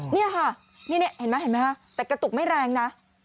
อ่อนี่ค่ะแต่กระตุกไม่แรงนะ